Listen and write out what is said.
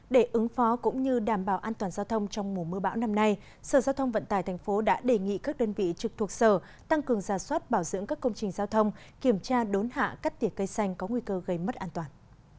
để ứng phó cũng như đảm bảo an toàn giao thông trong mùa mưa bão năm nay sở giao thông vận tải thành phố đã đề nghị các đơn vị trực thuộc sở tăng cường gia soát bảo dưỡng các công trình giao thông kiểm tra đốn hạ cắt tỉa cây xanh có nguy cơ gây mất an toàn